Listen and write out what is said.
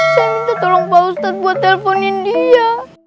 saya minta tolong pak ustadz buat telponin dia